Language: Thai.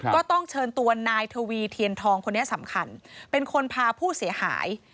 ก็ต้องเชิญตัวนายทวีเทียนทองคนนี้สำคัญเป็นคนพาผู้เสียหาย